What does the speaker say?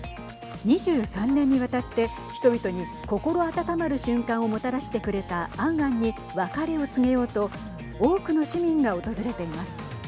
２３年にわたって人々に心温まる瞬間をもたらしてくれたアンアンに別れを告げようと多くの市民が訪れています。